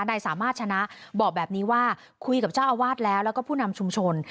นายสามารถชนะบอกแบบนี้ว่าคุยกับเจ้าอาวาสแล้วแล้วก็ผู้นำชุมชน